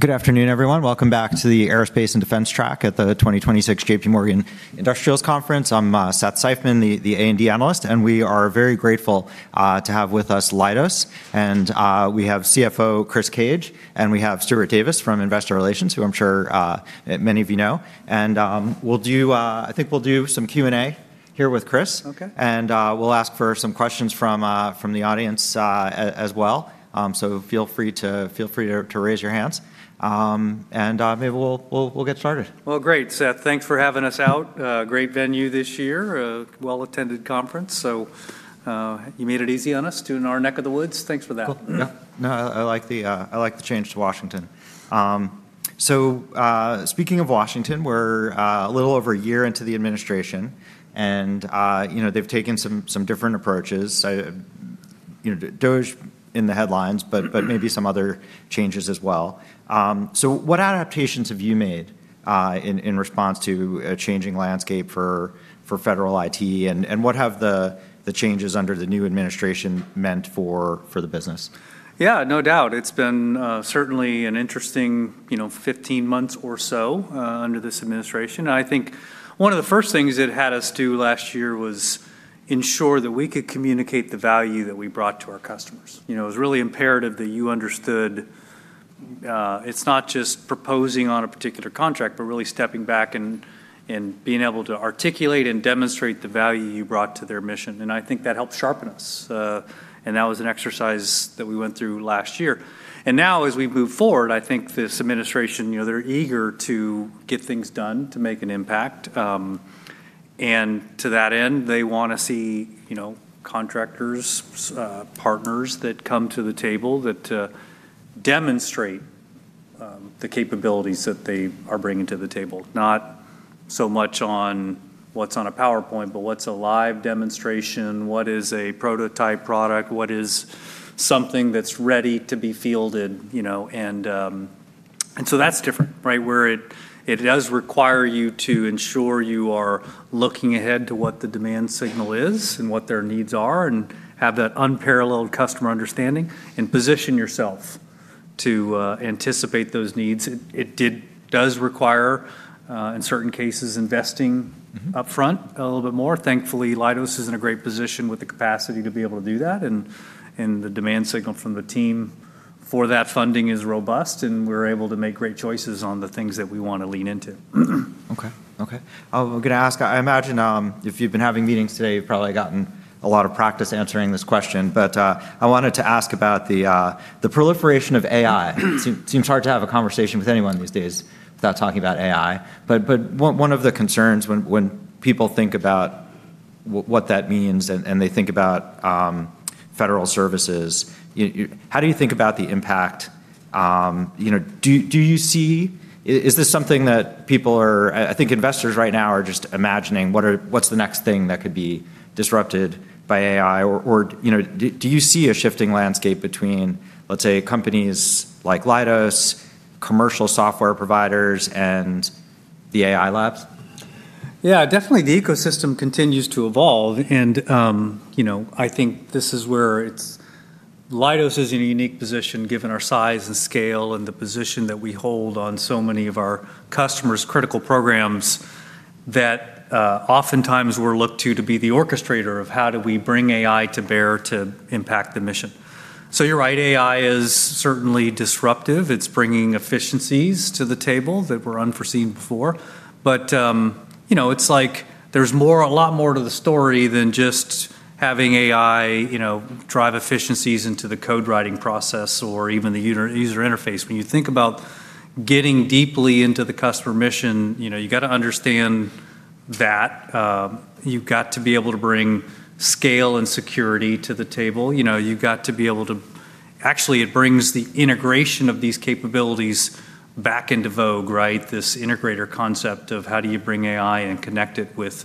Good afternoon, everyone. Welcome back to the Aerospace and Defense track at the 2026 JPMorgan Industrials Conference. I'm Seth Seifman, the A&D analyst, and we are very grateful to have with us Leidos. We have CFO Chris Cage, and we have Stuart Davis from Investor Relations, who I'm sure many of you know. I think we'll do some Q&A here with Chris. Okay. We'll ask for some questions from the audience as well. Feel free to raise your hands. Maybe we'll get started. Well, great, Seth. Thanks for having us out. Great venue this year. A well-attended conference, so, you made it easy on us too in our neck of the woods. Thanks for that. No, I like the change to Washington. Speaking of Washington, we're a little over a year into the administration, and you know, they've taken some different approaches. DOGE in the headlines, but maybe some other changes as well. What adaptations have you made in response to a changing landscape for Federal IT, and what have the changes under the new administration meant for the business? Yeah, no doubt. It's been certainly an interesting, you know, 15 months or so under this administration. I think one of the first things it had us do last year was ensure that we could communicate the value that we brought to our customers. You know, it was really imperative that you understood, it's not just proposing on a particular contract, but really stepping back and being able to articulate and demonstrate the value you brought to their mission. I think that helped sharpen us. That was an exercise that we went through last year. Now as we move forward, I think this administration, you know, they're eager to get things done to make an impact, and to that end, they wanna see, you know, contractors, partners that come to the table that demonstrate the capabilities that they are bringing to the table. Not so much on what's on a PowerPoint, but what's a live demonstration, what is a prototype product, what is something that's ready to be fielded, you know? And so that's different, right? Where it does require you to ensure you are looking ahead to what the demand signal is and what their needs are and have that unparalleled customer understanding and position yourself to anticipate those needs. It does require, in certain cases, investing- Mm-hmm Upfront a little bit more. Thankfully, Leidos is in a great position with the capacity to be able to do that, and the demand signal from the team for that funding is robust, and we're able to make great choices on the things that we wanna lean into. Okay. I was gonna ask, I imagine, if you've been having meetings today, you've probably gotten a lot of practice answering this question, but I wanted to ask about the proliferation of AI. It seems hard to have a conversation with anyone these days without talking about AI. One of the concerns when people think about what that means and they think about federal services, you. How do you think about the impact, you know. Do you see. I think investors right now are just imagining what's the next thing that could be disrupted by AI or, you know, do you see a shifting landscape between, let's say, companies like Leidos, commercial software providers, and the AI labs? Yeah, definitely the ecosystem continues to evolve and, you know, I think this is where Leidos is in a unique position given our size and scale and the position that we hold on so many of our customers' critical programs that, oftentimes we're looked to to be the orchestrator of how do we bring AI to bear to impact the mission. So you're right, AI is certainly disruptive. It's bringing efficiencies to the table that were unforeseen before. But, you know, it's like there's more, a lot more to the story than just having AI, you know, drive efficiencies into the code writing process or even the end-user interface. When you think about getting deeply into the customer mission, you know, you gotta understand that, you've got to be able to bring scale and security to the table. You know, you've got to be able to. Actually, it brings the integration of these capabilities back into vogue, right? This integrator concept of how do you bring AI and connect it with,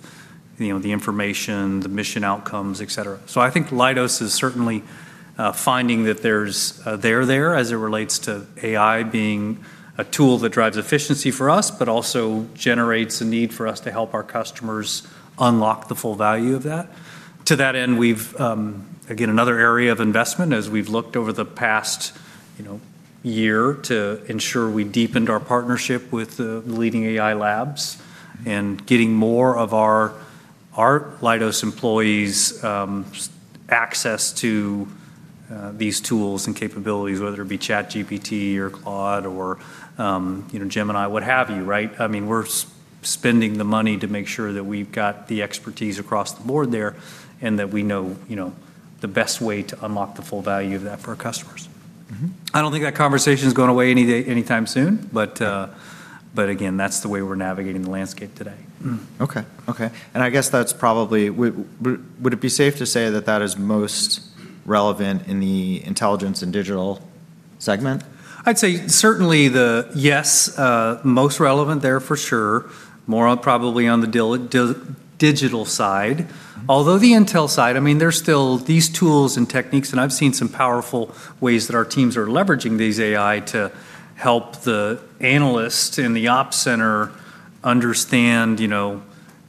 you know, the information, the mission outcomes, et cetera. I think Leidos is certainly finding that there's, they're there as it relates to AI being a tool that drives efficiency for us, but also generates a need for us to help our customers unlock the full value of that. To that end, we've again, another area of investment as we've looked over the past, you know, year to ensure we deepened our partnership with the leading AI labs and getting more of our Leidos employees' access to these tools and capabilities, whether it be ChatGPT or Claude or, you know, Gemini, what have you, right? I mean, we're spending the money to make sure that we've got the expertise across the board there and that we know, you know, the best way to unlock the full value of that for our customers. Mm-hmm. I don't think that conversation's going away anytime soon, but again, that's the way we're navigating the landscape today. Okay. I guess that's probably. Would it be safe to say that that is most relevant in the intelligence and digital segment? I'd say certainly. Yes, most relevant there for sure. More on, probably on the digital side. Although the intel side, I mean, there's still these tools and techniques, and I've seen some powerful ways that our teams are leveraging these AI to help the analysts in the ops center understand, you know,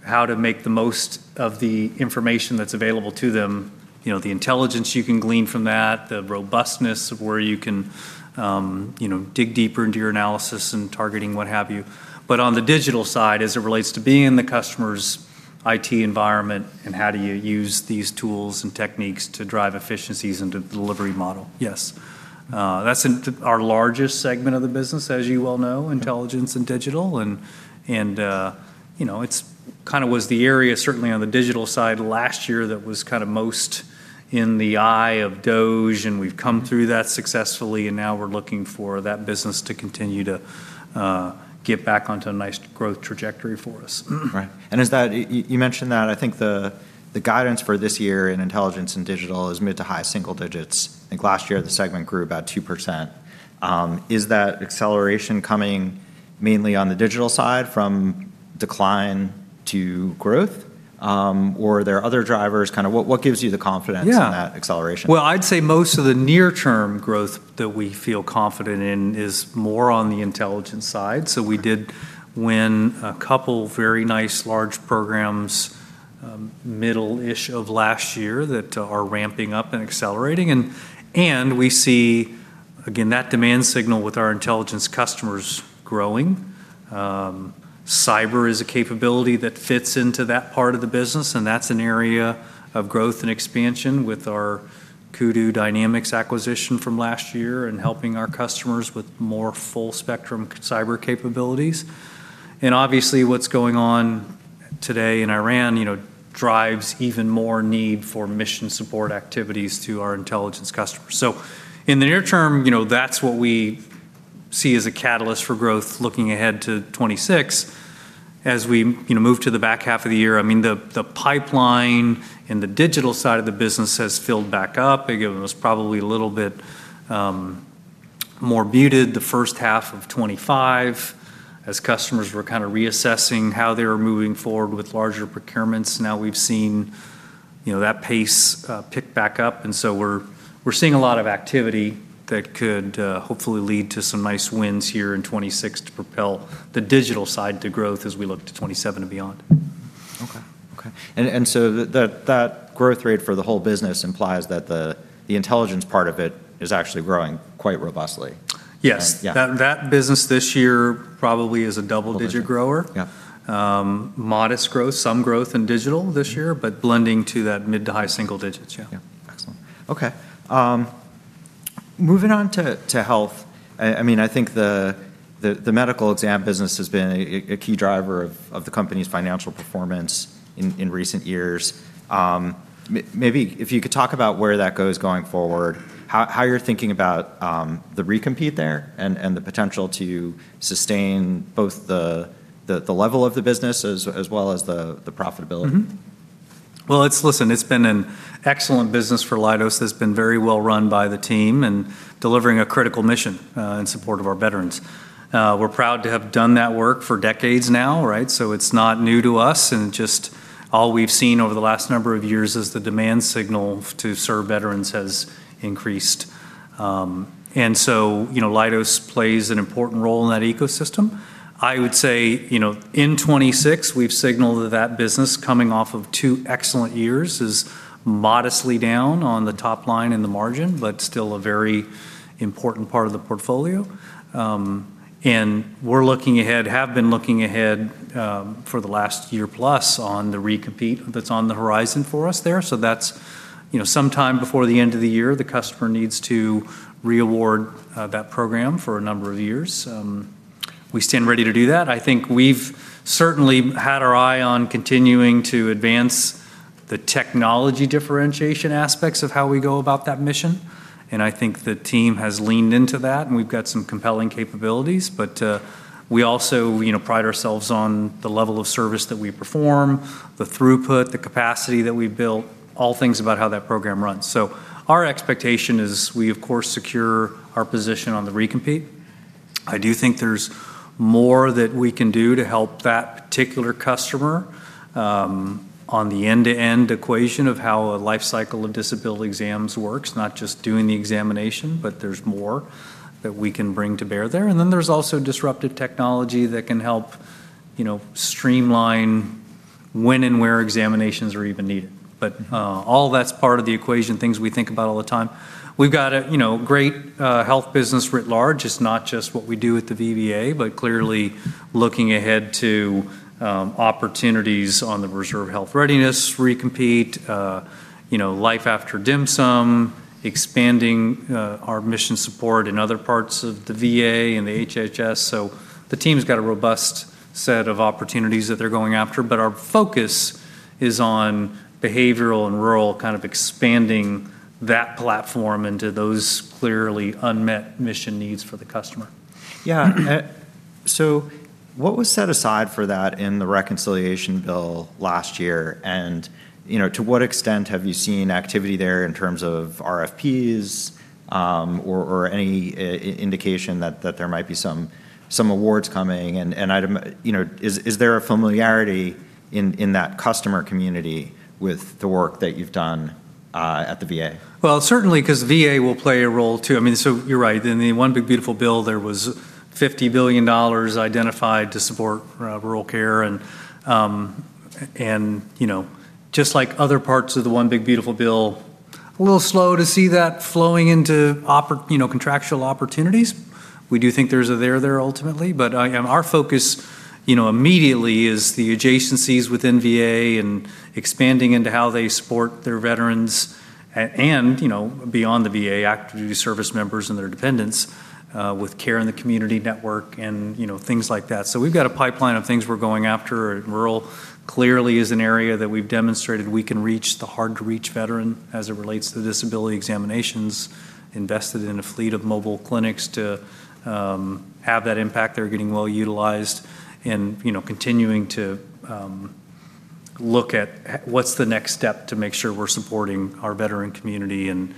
how to make the most of the information that's available to them, you know, the intelligence you can glean from that, the robustness of where you can, you know, dig deeper into your analysis and targeting, what have you. On the digital side, as it relates to being in the customer's IT environment and how do you use these tools and techniques to drive efficiencies into the delivery model? Yes. That's our largest segment of the business, as you well know, intelligence and digital. You know, it's kinda was the area, certainly on the digital side last year, that was kinda most in the eye of DOGE, and we've come through that successfully, and now we're looking for that business to continue to get back onto a nice growth trajectory for us. Right. You mentioned that. I think the guidance for this year in intelligence and digital is mid- to high-single-digits. I think last year the segment grew about 2%. Is that acceleration coming mainly on the digital side from decline to growth? Or are there other drivers? What gives you the confidence? Yeah in that acceleration? Well, I'd say most of the near term growth that we feel confident in is more on the intelligence side. We did win a couple very nice large programs, middle-ish of last year that are ramping up and accelerating. We see, again, that demand signal with our intelligence customers growing. Cyber is a capability that fits into that part of the business, and that's an area of growth and expansion with our Kudu Dynamics acquisition from last year and helping our customers with more full spectrum cyber capabilities. Obviously, what's going on today in Iran, you know, drives even more need for mission support activities to our intelligence customers. In the near term, you know, that's what we see as a catalyst for growth looking ahead to 2026. As we, you know, move to the back half of the year, I mean, the pipeline in the digital side of the business has filled back up. Again, it was probably a little bit more muted the first half of 2025 as customers were kinda reassessing how they were moving forward with larger procurements. Now we've seen, you know, that pace pick back up, and so we're seeing a lot of activity that could hopefully lead to some nice wins here in 2026 to propel the digital side to growth as we look to 2027 and beyond. That growth rate for the whole business implies that the intelligence part of it is actually growing quite robustly. Yes. Yeah. That business this year probably is a double digit grower. Yeah. Modest growth, some growth in digital this year. Mm-hmm blending to that mid- to high single digits%, yeah. Yeah. Excellent. Okay. Moving on to health. I mean, I think the medical exam business has been a key driver of the company's financial performance in recent years. Maybe if you could talk about where that goes going forward, how you're thinking about the recompete there and the potential to sustain both the level of the business as well as the profitability. Well, it's been an excellent business for Leidos that's been very well run by the team and delivering a critical mission in support of our veterans. We're proud to have done that work for decades now, right? It's not new to us, and just all we've seen over the last number of years is the demand signal to serve veterans has increased. Leidos plays an important role in that ecosystem. I would say, you know, in 2026, we've signaled that that business coming off of two excellent years is modestly down on the top line in the margin, but still a very important part of the portfolio. We're looking ahead, have been looking ahead, for the last year plus on the recompete that's on the horizon for us there. That's, you know, sometime before the end of the year, the customer needs to reaward that program for a number of years. We stand ready to do that. I think we've certainly had our eye on continuing to advance the technology differentiation aspects of how we go about that mission, and I think the team has leaned into that, and we've got some compelling capabilities. But we also, you know, pride ourselves on the level of service that we perform, the throughput, the capacity that we've built, all things about how that program runs. Our expectation is we, of course, secure our position on the recompete. I do think there's more that we can do to help that particular customer, on the end-to-end equation of how a life cycle of disability exams works, not just doing the examination, but there's more that we can bring to bear there. There's also disruptive technology that can help, you know, streamline when and where examinations are even needed. All that's part of the equation, things we think about all the time. We've got a, you know, great health business writ large. It's not just what we do at the VA, but clearly looking ahead to opportunities on the Reserve Health Readiness Program, you know, life after DHMSM, expanding our mission support in other parts of the VA and the HHS. The team's got a robust set of opportunities that they're going after, but our focus is on behavioral and rural, kind of expanding that platform into those clearly unmet mission needs for the customer. What was set aside for that in the reconciliation bill last year? You know, to what extent have you seen activity there in terms of RFPs, or any indication that there might be some awards coming? You know, is there a familiarity in that customer community with the work that you've done at the VA. Well, certainly, 'cause VA will play a role too. I mean, you're right. In the One Big Beautiful Bill, there was $50 billion identified to support rural care and, you know, just like other parts of the One Big Beautiful Bill, a little slow to see that flowing into contractual opportunities. We do think there's a there there ultimately. Our focus, you know, immediately is the adjacencies within VA and expanding into how they support their veterans and, you know, beyond the VA, active duty service members and their dependents with care in the community network and, you know, things like that. We've got a pipeline of things we're going after. Rural clearly is an area that we've demonstrated we can reach the hard-to-reach veteran as it relates to disability examinations, invested in a fleet of mobile clinics to have that impact. They're getting well-utilized and, you know, continuing to look at what's the next step to make sure we're supporting our veteran community and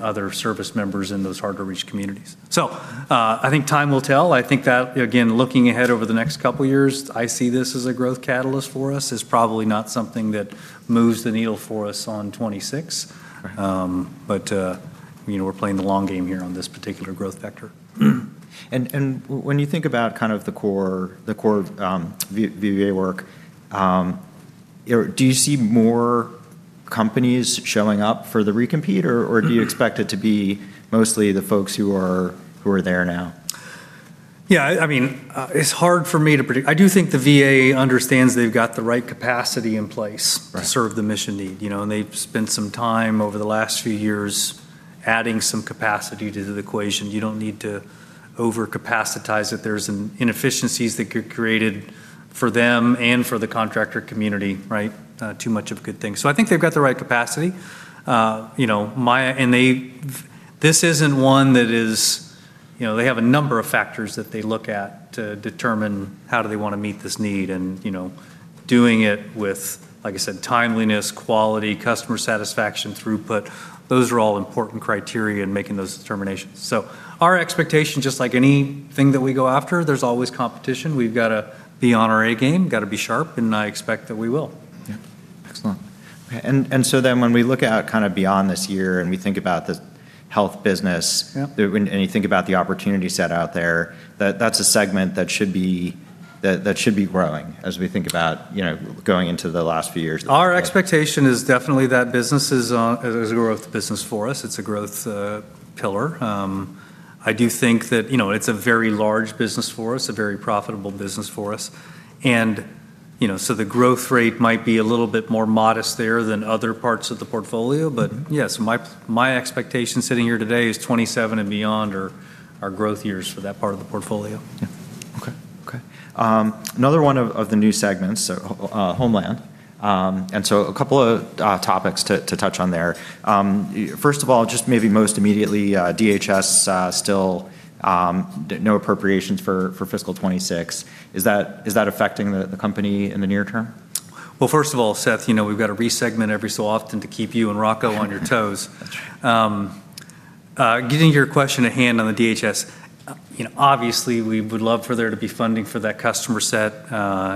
other service members in those hard-to-reach communities. I think time will tell. I think that, again, looking ahead over the next couple years, I see this as a growth catalyst for us. It's probably not something that moves the needle for us on 2026. Right. You know, we're playing the long game here on this particular growth vector. When you think about kind of the core VA work, you know, do you see more companies showing up for the recompete, or do you expect it to be mostly the folks who are there now? Yeah, I mean, it's hard for me to predict. I do think the VA understands they've got the right capacity in place. Right to serve the mission need. You know, and they've spent some time over the last few years adding some capacity to the equation. You don't need to overcapacitate it. There's inefficiencies that get created for them and for the contractor community, right? Too much of a good thing. I think they've got the right capacity. You know, this isn't one that is. You know, they have a number of factors that they look at to determine how do they wanna meet this need and, you know, doing it with, like I said, timeliness, quality, customer satisfaction, throughput. Those are all important criteria in making those determinations. Our expectation, just like anything that we go after, there's always competition. We've gotta be on our A game, gotta be sharp, and I expect that we will. Yeah. Excellent. When we look out kind of beyond this year and we think about the health business. Yeah you think about the opportunity set out there, that's a segment that should be growing as we think about, you know, going into the last few years. Our expectation is definitely that business is a growth business for us. It's a growth pillar. I do think that, you know, it's a very large business for us, a very profitable business for us. You know, the growth rate might be a little bit more modest there than other parts of the portfolio. Yes, my expectation sitting here today is 2027 and beyond are growth years for that part of the portfolio. Okay. Another one of the new segments, Homeland. A couple of topics to touch on there. First of all, just maybe most immediately, DHS still no appropriations for fiscal 2026. Is that affecting the company in the near term? Well, first of all, Seth, you know, we've got to re-segment every so often to keep you and Rocco on your toes. That's right. Getting your question at hand on the DHS, you know, obviously, we would love for there to be funding for that customer set.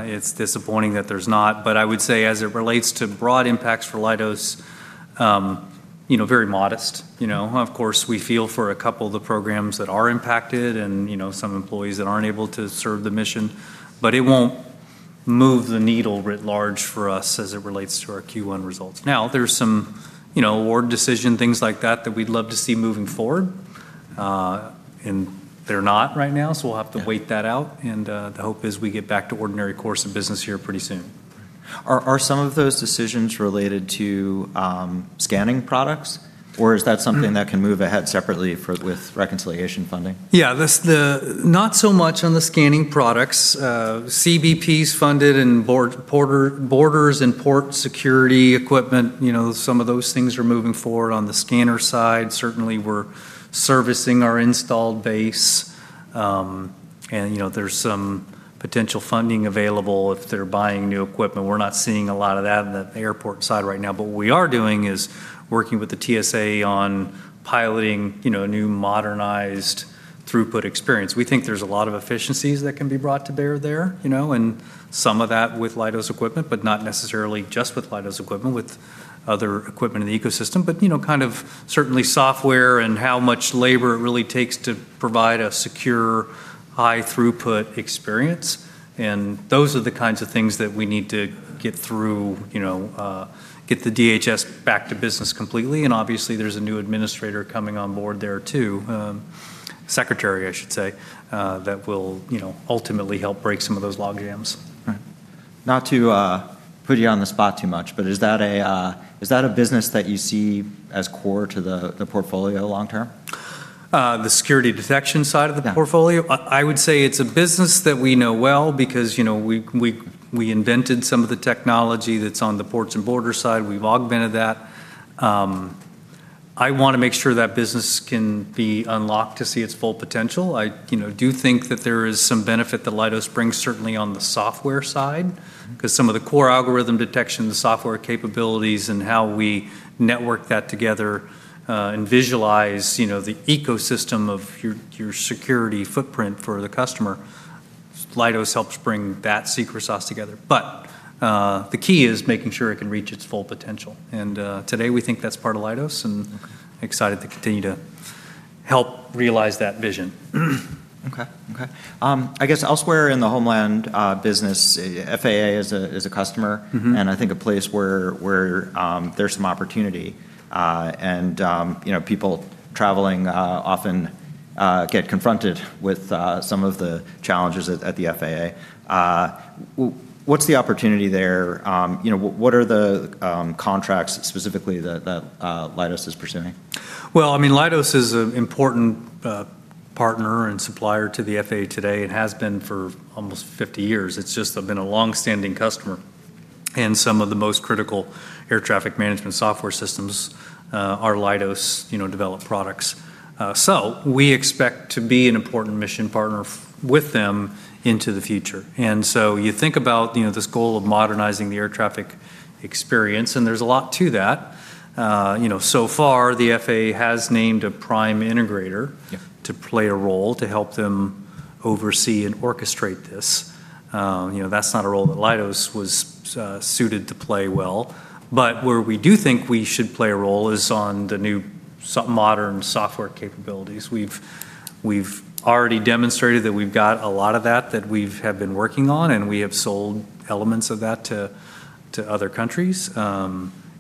It's disappointing that there's not. I would say as it relates to broad impacts for Leidos, you know, very modest. You know, of course, we feel for a couple of the programs that are impacted and, you know, some employees that aren't able to serve the mission, but it won't move the needle writ large for us as it relates to our Q1 results. Now, there's some, you know, award decision, things like that we'd love to see moving forward, and they're not right now, so we'll have to wait that out. The hope is we get back to ordinary course of business here pretty soon. Are some of those decisions related to scanning products? Or is that something that can move ahead separately with reconciliation funding? Yeah. Not so much on the scanning products. CBP's funded and borders and port security equipment, you know, some of those things are moving forward. On the scanner side, certainly we're servicing our installed base. You know, there's some potential funding available if they're buying new equipment. We're not seeing a lot of that on the airport side right now. What we are doing is working with the TSA on piloting, you know, a new modernized throughput experience. We think there's a lot of efficiencies that can be brought to bear there, you know, and some of that with Leidos equipment, but not necessarily just with Leidos equipment, with other equipment in the ecosystem. You know, kind of certainly software and how much labor it really takes to provide a secure, high throughput experience. Those are the kinds of things that we need to get through, you know, get the DHS back to business completely. Obviously, there's a new administrator coming on board there, too, secretary, I should say, that will, you know, ultimately help break some of those logjams. Right. Not to put you on the spot too much, but is that a business that you see as core to the portfolio long term? the security detection side of the portfolio? Yeah. I would say it's a business that we know well because, you know, we invented some of the technology that's on the ports and border side. We've augmented that. I wanna make sure that business can be unlocked to see its full potential. I do think that there is some benefit that Leidos brings certainly on the software side 'cause some of the core algorithm detection, the software capabilities, and how we network that together, and visualize, you know, the ecosystem of your security footprint for the customer. Leidos helps bring that secret sauce together. The key is making sure it can reach its full potential. Today we think that's part of Leidos, and excited to continue to help realize that vision. Okay. I guess elsewhere in the homeland business, FAA is a customer. Mm-hmm I think a place where there's some opportunity. You know, people traveling often get confronted with some of the challenges at the FAA. What's the opportunity there? You know, what are the contracts specifically that Leidos is pursuing? Well, I mean, Leidos is an important partner and supplier to the FAA today, and has been for almost 50 years. It's just been a long-standing customer. Some of the most critical air traffic management software systems are Leidos, you know, developed products. We expect to be an important mission partner with them into the future. You think about, you know, this goal of modernizing the air traffic experience, and there's a lot to that. You know, so far the FAA has named a prime integrator. Yeah... to play a role to help them oversee and orchestrate this. You know, that's not a role that Leidos was suited to play well. But where we do think we should play a role is on the new modern software capabilities. We've already demonstrated that we've got a lot of that that we've been working on, and we have sold elements of that to other countries.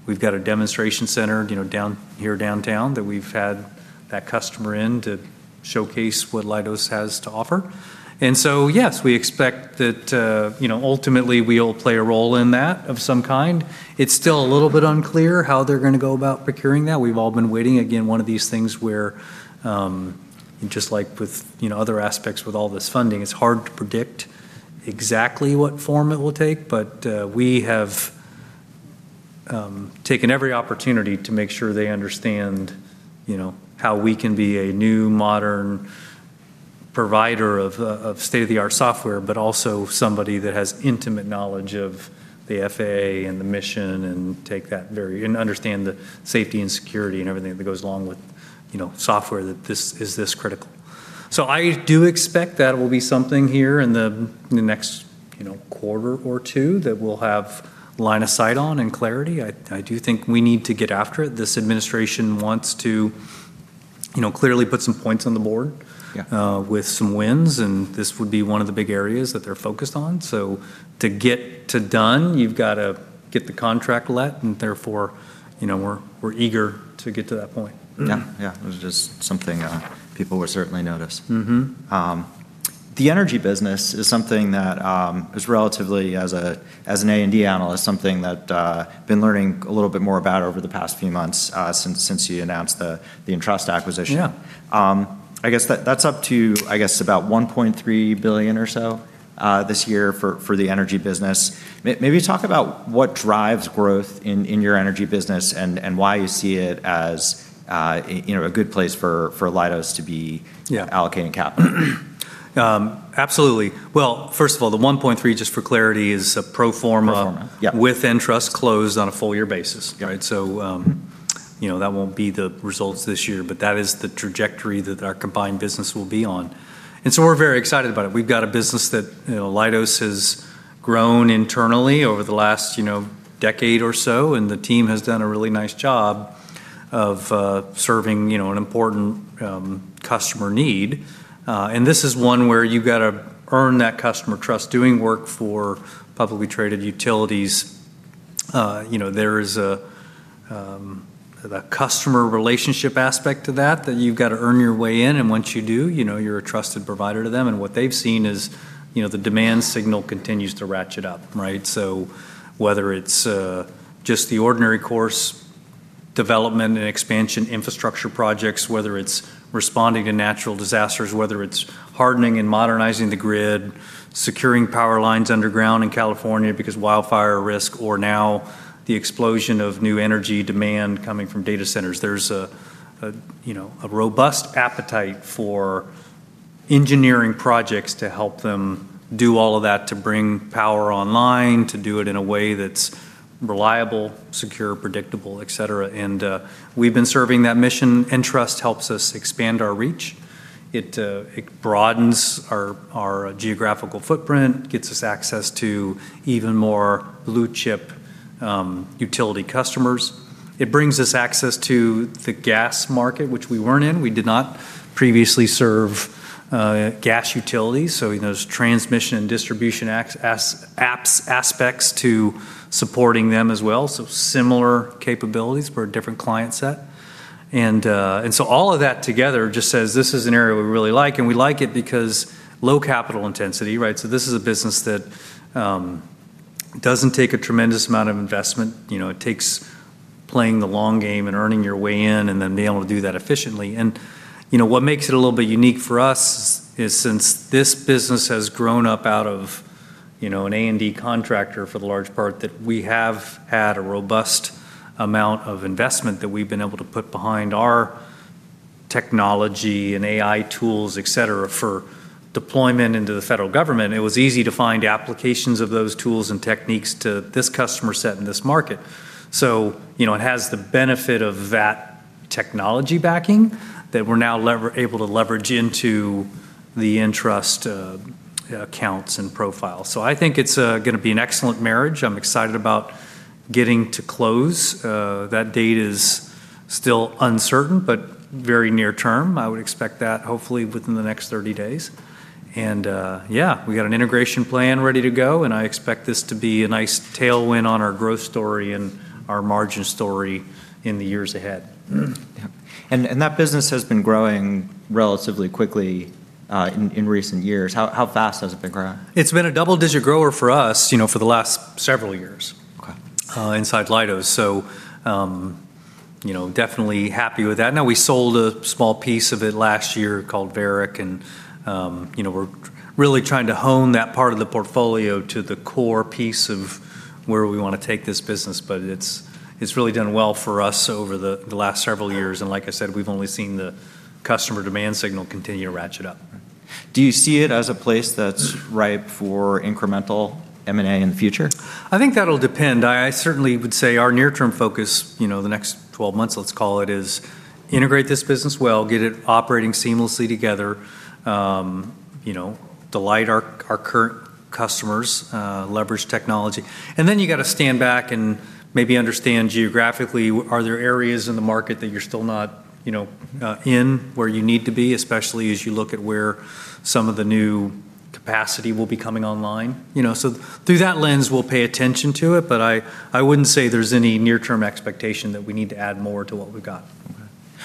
We've got a demonstration center, you know, down here downtown that we've had that customer in to showcase what Leidos has to offer. Yes, we expect that, you know, ultimately we'll play a role in that of some kind. It's still a little bit unclear how they're gonna go about procuring that. We've all been waiting. Again, one of these things where, just like with, you know, other aspects with all this funding, it's hard to predict exactly what form it will take. We have taken every opportunity to make sure they understand, you know, how we can be a new modern provider of state-of-the-art software, but also somebody that has intimate knowledge of the FAA and the mission and take that and understand the safety and security and everything that goes along with, you know, software that is so critical. I do expect that it will be something here in the next, you know, quarter or two that we'll have line of sight on and clarity. I do think we need to get after it. This administration wants to, you know, clearly put some points on the board. Yeah with some wins, this would be one of the big areas that they're focused on. To get to done, you've gotta get the contract let, and therefore, you know, we're eager to get to that point. Yeah. It was just something people would certainly notice. Mm-hmm. The energy business is something that is relatively, as an A&D analyst, something that I've been learning a little bit more about over the past few months, since you announced the ENTRUST acquisition. Yeah. I guess that's up to about $1.3 billion or so this year for the energy business. Maybe talk about what drives growth in your energy business and why you see it as you know a good place for Leidos to be- Yeah allocating capital. Absolutely. Well, first of all, the $1.3, just for clarity, is a pro forma. Pro forma. Yeah. With ENTRUST closed on a full year basis. Yeah. Right? You know, that won't be the results this year, but that is the trajectory that our combined business will be on. We're very excited about it. We've got a business that, you know, Leidos has grown internally over the last, you know, decade or so, and the team has done a really nice job of serving, you know, an important customer need. This is one where you gotta earn that customer trust doing work for publicly traded utilities. You know, there is a customer relationship aspect to that you've got to earn your way in, and once you do, you know, you're a trusted provider to them. What they've seen is, you know, the demand signal continues to ratchet up, right? Whether it's just the ordinary course development and expansion infrastructure projects, whether it's responding to natural disasters, whether it's hardening and modernizing the grid, securing power lines underground in California because wildfire risk, or now the explosion of new energy demand coming from data centers. There's you know a robust appetite for engineering projects to help them do all of that to bring power online, to do it in a way that's reliable, secure, predictable, et cetera. We've been serving that mission. ENTRUST helps us expand our reach. It broadens our geographical footprint, gets us access to even more blue chip utility customers. It brings us access to the gas market, which we weren't in. We did not previously serve gas utilities, so, you know, those transmission and distribution aspects to supporting them as well, so similar capabilities for a different client set. All of that together just says this is an area we really like, and we like it because low capital intensity, right? This is a business that doesn't take a tremendous amount of investment. You know, it takes playing the long game and earning your way in and then being able to do that efficiently. You know, what makes it a little bit unique for us is since this business has grown up out of, you know, an A&D contractor for the large part, that we have had a robust amount of investment that we've been able to put behind our technology and AI tools, et cetera, for deployment into the federal government. It was easy to find applications of those tools and techniques to this customer set in this market. You know, it has the benefit of that technology backing that we're now able to leverage into the Entrust accounts and profiles. I think it's gonna be an excellent marriage. I'm excited about getting to close. That date is still uncertain, but very near term. I would expect that hopefully within the next 30 days, and yeah. We got an integration plan ready to go, and I expect this to be a nice tailwind on our growth story and our margin story in the years ahead. Yeah. That business has been growing relatively quickly, in recent years. How fast has it been growing? It's been a double digit grower for us, you know, for the last several years. Okay Inside Leidos. You know, definitely happy with that. Now, we sold a small piece of it last year called Varec, and, you know, we're really trying to hone that part of the portfolio to the core piece of where we wanna take this business. But it's really done well for us over the last several years. Like I said, we've only seen the customer demand signal continue to ratchet up. Do you see it as a place that's ripe for incremental M&A in the future? I think that'll depend. I certainly would say our near term focus, you know, the next 12 months, let's call it, is integrate this business well, get it operating seamlessly together, you know, delight our current customers, leverage technology. You gotta stand back and maybe understand geographically, are there areas in the market that you're still not, you know, in where you need to be, especially as you look at where some of the new capacity will be coming online, you know? Through that lens, we'll pay attention to it, but I wouldn't say there's any near term expectation that we need to add more to what we've got. Okay.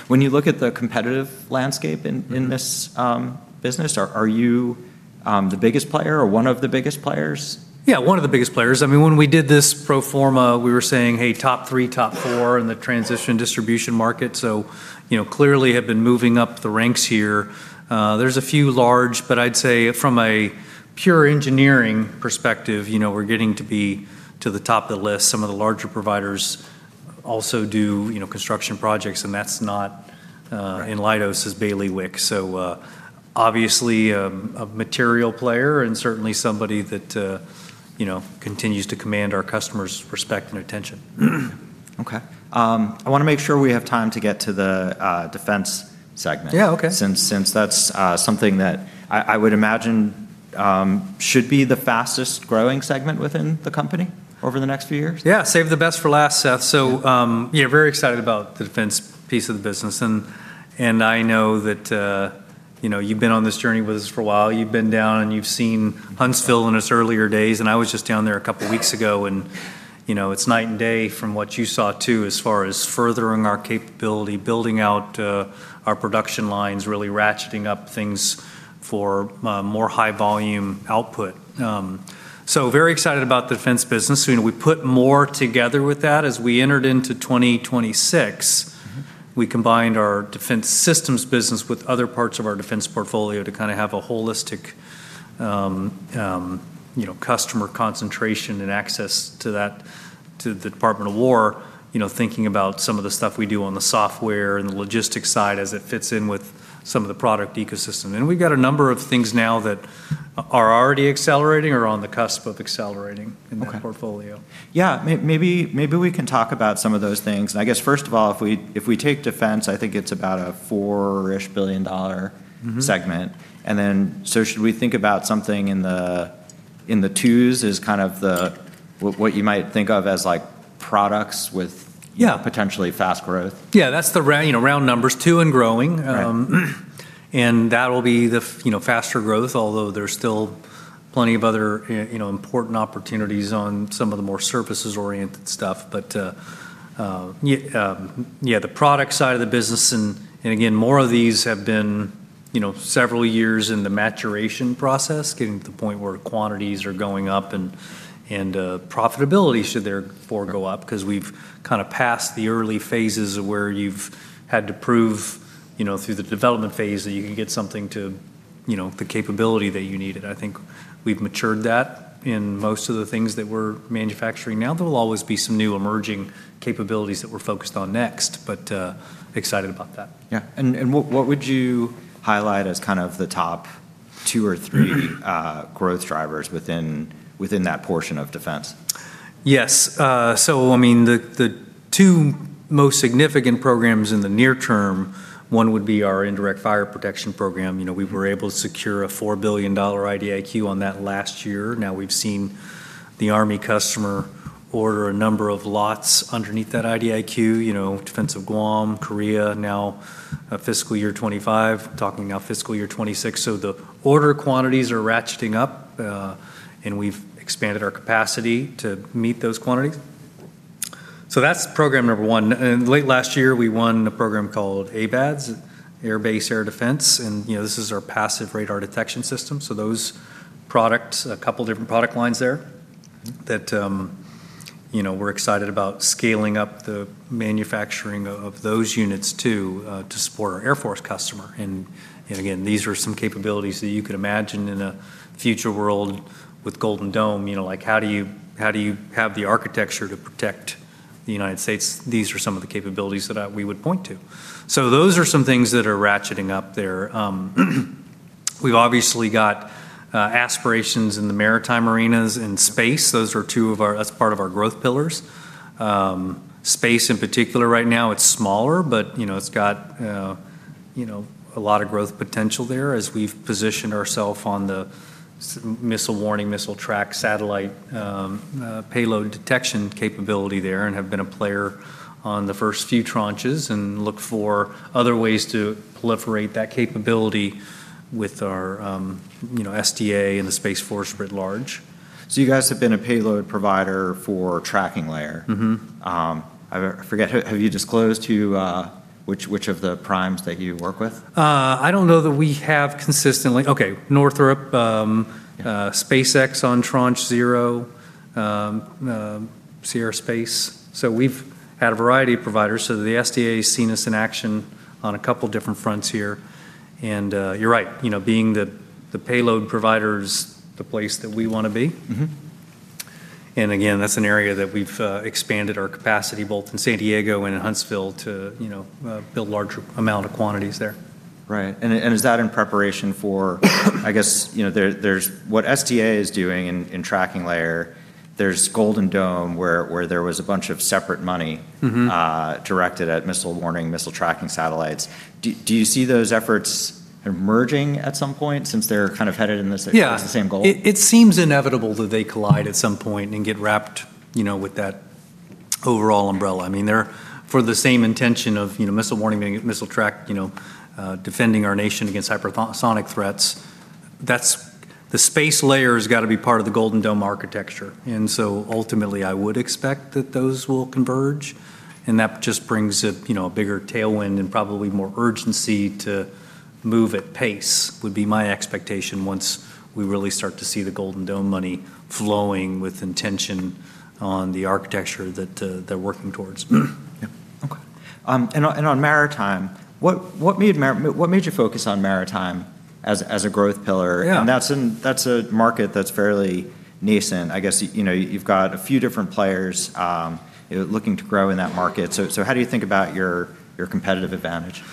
When you look at the competitive landscape in this- Mm-hmm business, are you the biggest player or one of the biggest players? Yeah, one of the biggest players. I mean, when we did this pro forma, we were saying, "Hey, top three, top four in the transition distribution market." You know, clearly have been moving up the ranks here. There's a few large, but I'd say from a pure engineering perspective, you know, we're getting to be to the top of the list. Some of the larger providers also do, you know, construction projects, and that's not, Right in Leidos' bailiwick. Obviously, a material player and certainly somebody that you know continues to command our customers' respect and attention. Okay. I wanna make sure we have time to get to the defense segment. Yeah, okay. Since that's something that I would imagine should be the fastest growing segment within the company over the next few years. Yeah. Save the best for last, Seth. Very excited about the defense piece of the business. I know that, you know, you've been on this journey with us for a while. You've been down and you've seen Huntsville in its earlier days, and I was just down there a couple weeks ago and, you know, it's night and day from what you saw, too, as far as furthering our capability, building out, our production lines, really ratcheting up things for, more high volume output. Very excited about the defense business. You know, we put more together with that. As we entered into 2026- Mm-hmm We combined our defense systems business with other parts of our defense portfolio to kind of have a holistic, you know, customer concentration and access to that, to the Department of War. You know, thinking about some of the stuff we do on the software and the logistics side as it fits in with some of the product ecosystem. We've got a number of things now that are already accelerating or on the cusp of accelerating. Okay in that portfolio. Yeah. Maybe we can talk about some of those things. I guess, first of all, if we take defense, I think it's about a $4 billion dollar- Mm-hmm segment. Should we think about something in the twos as kind of what you might think of as, like, products with Yeah potentially fast growth? Yeah, that's the round numbers, two and growing. That'll be the faster growth, although there's still plenty of other important opportunities on some of the more services-oriented stuff. The product side of the business and again, more of these have been several years in the maturation process, getting to the point where quantities are going up and profitability should therefore go up. 'Cause we've kind of passed the early phases of where you've had to prove through the development phase that you can get something to the capability that you needed. I think we've matured that in most of the things that we're manufacturing now. There'll always be some new emerging capabilities that we're focused on next, excited about that. What would you highlight as kind of the top two or three growth drivers within that portion of defense? Yes. I mean, the two most significant programs in the near term, one would be our indirect fire protection program. You know, we were able to secure a $4 billion IDIQ on that last year. Now we've seen the Army customer order a number of lots underneath that IDIQ. You know, defense of Guam, Korea, now, fiscal year 2025, talking now fiscal year 2026. The order quantities are ratcheting up, and we've expanded our capacity to meet those quantities. That's program number one. Late last year, we won a program called ABADS, Air Base Air Defense, you know, this is our passive radar detection system. Those products, a couple different product lines there that, you know, we're excited about scaling up the manufacturing of those units, too, to support our Air Force customer. Again, these are some capabilities that you could imagine in a future world with Golden Dome. You know, like how do you have the architecture to protect the United States? These are some of the capabilities that we would point to. Those are some things that are ratcheting up there. We've obviously got aspirations in the maritime arenas and space. Those are two of our. That's part of our growth pillars. Space in particular right now, it's smaller, but, you know, it's got, you know, a lot of growth potential there as we've positioned ourselves on the missile warning, missile track, satellite, payload detection capability there and have been a player on the first few tranches, and look for other ways to proliferate that capability with our, you know, SDA and the Space Force writ large. You guys have been a payload provider for Tracking Layer. Mm-hmm. I forget. Have you disclosed who, which of the primes that you work with? I don't know that we have consistently. Okay, Northrop Grumman, SpaceX on Tranche 0, Sierra Space. We've had a variety of providers. The SDA's seen us in action on a couple different fronts here. You're right, you know, being the payload provider's the place that we wanna be. Mm-hmm. again, that's an area that we've expanded our capacity both in San Diego and in Huntsville to you know build larger amount of quantities there. Right. I guess, you know, there's what SDA is doing in Tracking Layer. There's Golden Dome where there was a bunch of separate money. Mm-hmm directed at missile warning, missile tracking satellites. Do you see those efforts emerging at some point since they're kind of headed in the sa- Yeah It's the same goal? It seems inevitable that they collide at some point and get wrapped, you know, with that overall umbrella. I mean, they're for the same intention of, you know, missile warning, missile tracking, you know, defending our nation against hypersonic threats. That's. The space layer has gotta be part of the Golden Dome architecture. Ultimately I would expect that those will converge, and that just brings a, you know, a bigger tailwind and probably more urgency to move at pace, would be my expectation once we really start to see the Golden Dome money flowing with intention on the architecture that they're working towards. Yeah. Okay. On maritime, what made you focus on maritime as a growth pillar? Yeah. That's a market that's fairly nascent. I guess, you know, you've got a few different players looking to grow in that market. How do you think about your competitive advantage?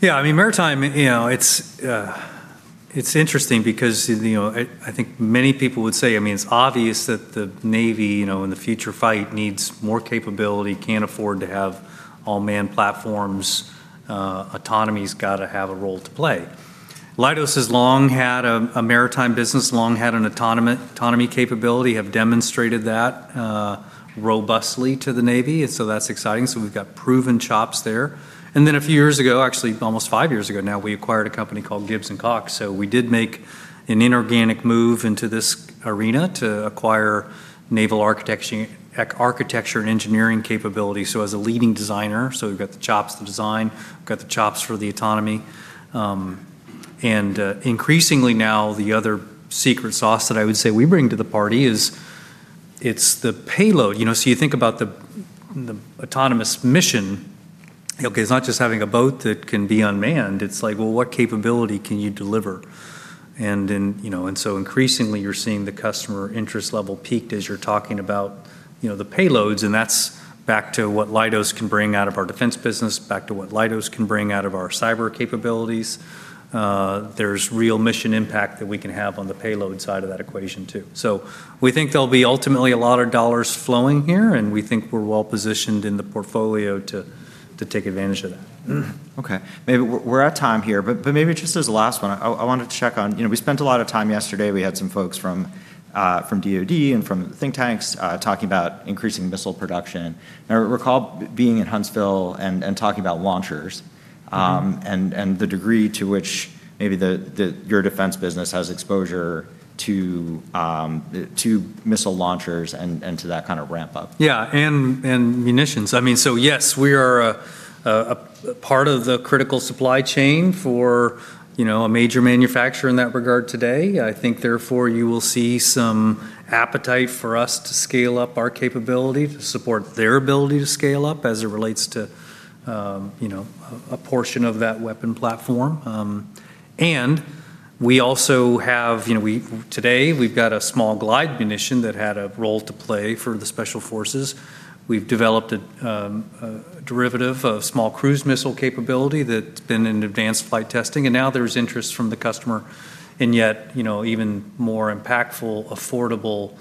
Yeah, I mean, maritime, you know, it's interesting because, you know, I think many people would say, I mean, it's obvious that the Navy, you know, in the future fight needs more capability, can't afford to have all manned platforms. Autonomy's gotta have a role to play. Leidos has long had a maritime business, long had an autonomy capability, have demonstrated that robustly to the Navy, so that's exciting. We've got proven chops there. A few years ago, actually almost five years ago now, we acquired a company called Gibbs & Cox. We did make an inorganic move into this arena to acquire naval architecture and engineering capability, so as a leading designer. We've got the chops for design, got the chops for the autonomy. Increasingly now, the other secret sauce that I would say we bring to the party is it's the payload. You know, so you think about the autonomous mission. Okay, it's not just having a boat that can be unmanned, it's like, well, what capability can you deliver? Increasingly you're seeing the customer interest level peaking as you're talking about, you know, the payloads, and that's back to what Leidos can bring out of our defense business, back to what Leidos can bring out of our cyber capabilities. There's real mission impact that we can have on the payload side of that equation too. We think there'll be ultimately a lot of dollars flowing here, and we think we're well positioned in the portfolio to take advantage of that. Okay. Maybe we're at time here, but maybe just as a last one I wanted to check on. You know, we spent a lot of time yesterday. We had some folks from DoD and from think tanks talking about increasing missile production. I recall being in Huntsville and talking about launchers. Mm-hmm The degree to which maybe your defense business has exposure to missile launchers and to that kind of ramp up? Yeah. Munitions. I mean, yes, we are a part of the critical supply chain for, you know, a major manufacturer in that regard today. I think therefore you will see some appetite for us to scale up our capability to support their ability to scale up as it relates to, you know, a portion of that weapon platform. We also have, you know, today we've got a small glide munition that had a role to play for the special forces. We've developed a derivative of small cruise missile capability that's been in advanced flight testing, and now there's interest from the customer in yet, you know, even more impactful, affordable,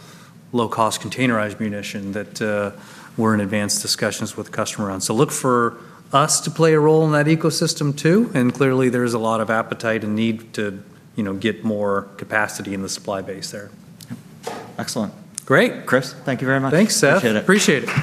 low cost containerized munition that we're in advanced discussions with the customer on. Look for us to play a role in that ecosystem too, and clearly there's a lot of appetite and need to, you know, get more capacity in the supply base there. Yep. Excellent. Great. Chris, thank you very much. Thanks, Seth. Appreciate it.